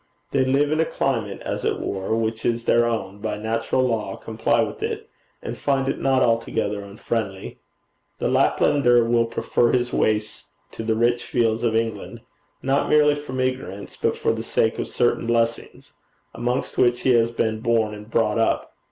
They live in a climate, as it were, which is their own, by natural law comply with it, and find it not altogether unfriendly. The Laplander will prefer his wastes to the rich fields of England, not merely from ignorance, but for the sake of certain blessings amongst which he has been born and brought up.